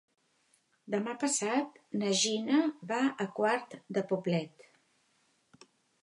Demà passat na Gina va a Quart de Poblet.